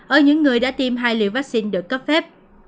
ở những người đã tiêm hai liều vaccine được cấp phép